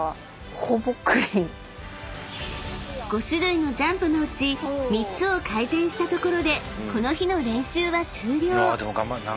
［５種類のジャンプのうち３つを改善したところでこの日の練習は終了］